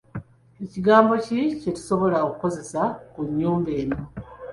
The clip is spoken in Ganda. Kigambo ki kye tusobola okukozesa ku nnyumba eno?